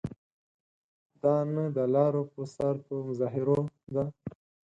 دا نه د لارو پر سر په مظاهرو ده.